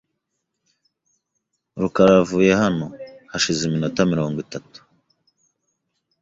rukara yavuye hano hashize iminota mirongo itatu .